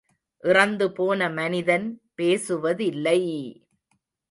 இறந்துபோன மனிதன் பேசுவதில்லை!